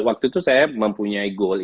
waktu itu saya mempunyai goal